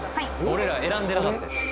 俺ら選んでなかったやつです